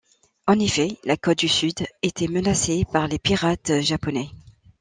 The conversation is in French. En effet, la côte du sud était menacée par des pirates japonais.